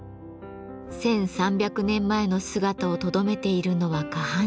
１，３００年前の姿をとどめているのは下半身。